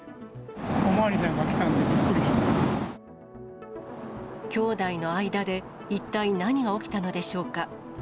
お巡りさんが来たんで、兄妹の間で一体何が起きたのでしょうか。